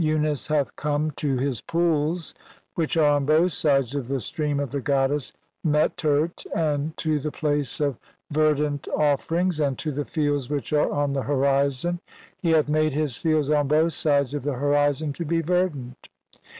62 3), "Unas hath come "to his pools which are on both sides of the stream "of the goddess Meht urt, and to the place of ver "dant offerings, and to the fields which are on the "'horizon ; he hath made his fields on both sides of "the horizon to be verdant.